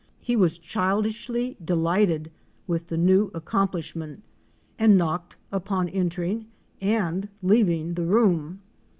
He was childishly delighted with the new accomplishment and knocked on both entering and leaving the room.